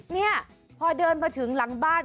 นี่พอเดินมาถึงหลังบ้าน